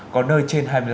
có nơi trên hai mươi độ c